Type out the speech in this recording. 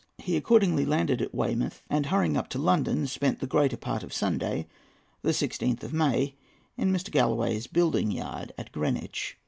He accordingly landed at Weymouth, and hurrying up to London, spent the greater part of Sunday, the 16th of May, in Mr. Galloway's building yard at Greenwich.